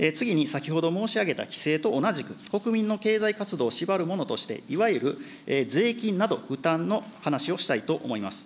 次に、先ほど申し上げた規制と同じく、国民の経済活動を縛るものとして、いわゆる税金など、負担の話をしたいと思います。